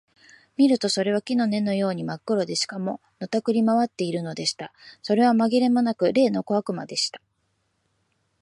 見るとそれは木の根のようにまっ黒で、しかも、のたくり廻っているのでした。それはまぎれもなく、例の小悪魔でした。